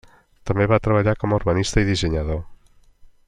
També va treballar com a urbanista i dissenyador.